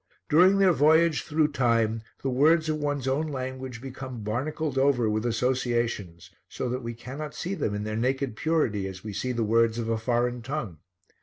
During their voyage through time the words of one's own language become barnacled over with associations so that we cannot see them in their naked purity as we see the words of a foreign tongue.